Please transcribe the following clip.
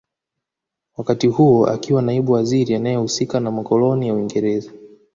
Wakati huo akiwa naibu waziri anaehusika na makoloni ya Uingereza